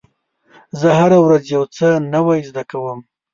زه هره ورځ یو څه نوی زده کوم.